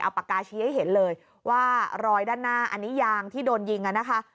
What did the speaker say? ปากกาชี้ให้เห็นเลยว่ารอยด้านหน้าอันนี้ยางที่โดนยิงอ่ะนะคะ